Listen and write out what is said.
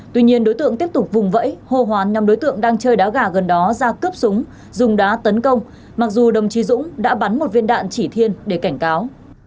tuy nhiên đối tượng tiếp tục vùng vẫy hô hoán năm đối tượng đang chơi đá gà gần đó ra cướp súng dùng đá tấn công mặc dù đồng chí dũng đã bắn một viên đạn chỉ thiên để cảnh cáo